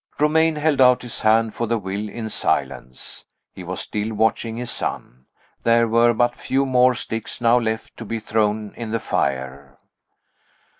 Romayne held out his hand for the will, in silence. He was still watching his son. There were but few more sticks now left to be thrown in the fire.